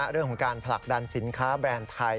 เรื่องของการผลักดันสินค้าแบรนด์ไทย